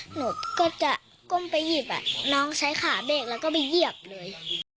หนูก็จะก้มไปหยิบน้องใช้ขาเบรกแล้วก็ไปเหยียบเลย